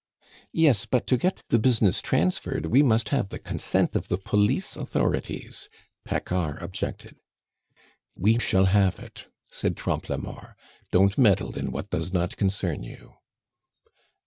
"Yes, but to get the business transferred, we must have the consent of the police authorities," Paccard objected. "We shall have it," said Trompe la Mort. "Don't meddle in what does not concern you."